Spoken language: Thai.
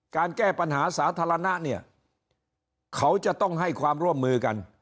การแก้ปัญหาสาธารณะเนี่ยเขาจะต้องให้ความร่วมมือกัน